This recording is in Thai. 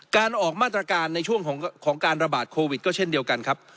การออกมาตรการในช่วงของการระบาดโควิดก็เช่นเดียวกันครับ